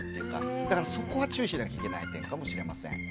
だからそこは注意しなきゃいけない点かもしれません。